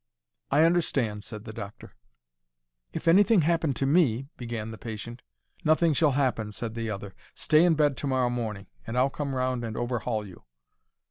"I understand," said the doctor. "If anything happened to me—" began the patient. "Nothing shall happen," said the other. "Stay in bed to morrow morning, and I'll come round and overhaul you."